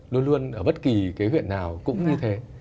luôn luôn ở bất kỳ cái huyện nào cũng như thế